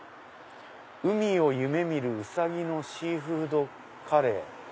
「海を夢見るウサギのシーフードカレー」。